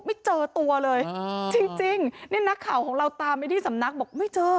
ไม่เจอตัวเลยจริงจริงนี่นักข่าวของเราตามไปที่สำนักบอกไม่เจอ